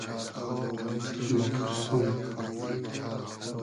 موپورسوم